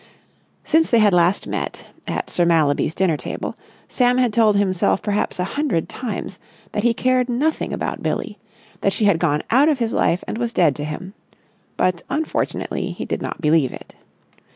Since they had last met, at Sir Mallaby's dinner table, Sam had told himself perhaps a hundred times that he cared nothing about Billie, that she had gone out of his life and was dead to him; but unfortunately he did not believe it.